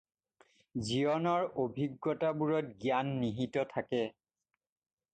জীৱনৰ অভিজ্ঞতাবোৰত জ্ঞান নিহিত থাকে।